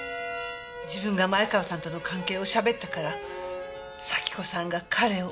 自分が前川さんとの関係をしゃべったから咲子さんが彼を。